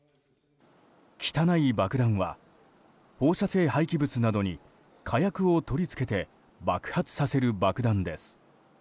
汚い爆弾は、放射性廃棄物などに火薬を取り付けて爆発させる爆弾です。